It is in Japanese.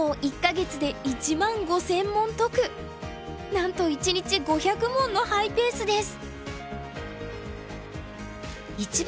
なんと１日５００問のハイペースです。